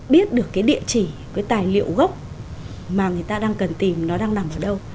biết được cái địa chỉ cái tài liệu gốc mà người ta đang cần tìm nó đang nằm ở đâu